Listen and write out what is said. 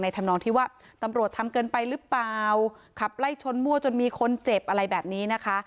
ทำนองที่ว่าตำรวจทำเกินไปหรือเปล่าขับไล่ชนมั่วจนมีคนเจ็บอะไรแบบนี้นะคะ